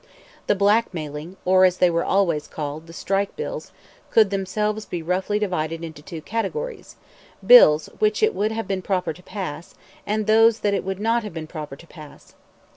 The blackmailing, or, as they were always called, the "strike" bills, could themselves be roughly divided into two categories: bills which it would have been proper to pass, and those that it would not have been proper to pass.